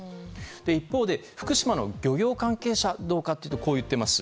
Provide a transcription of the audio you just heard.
一方、福島の漁業関係者はどうかというとこう言っています。